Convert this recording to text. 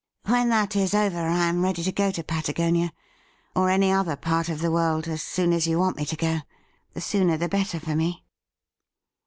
When that is over, I am ready to go to Patagonia or any other part of the world as soon as you want me to go — ^the sooner the better for me.'